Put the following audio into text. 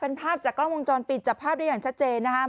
เป็นภาพจากกล้องวงจรปิดจับภาพได้อย่างชัดเจนนะครับ